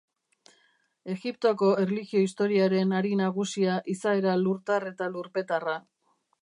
Egiptoko erlijio-historiaren hari nagusia izaera lurtar eta lurpetarra.